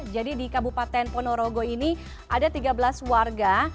jadi di kabupaten ponorogo ini ada tiga belas warga